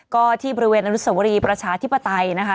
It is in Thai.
ก็ที่บริเวณอนุสวรีประชาธิปไตยนะคะ